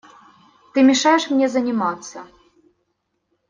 Ты мешаешь мне заниматься.